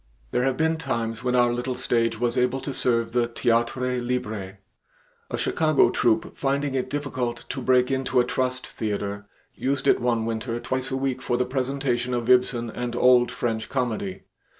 There have been times when our little stage was able to serve the theatre libre. A Chicago troupe, finding it difficult to break into a trust theater, used it one winter twice a week for the presentation of Ibsen and old French comedy.